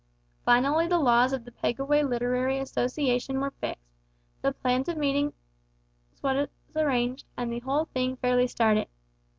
Finally, the laws of the Pegaway Literary Association were fixed, the plan of meetings was arranged, and the whole thing fairly started.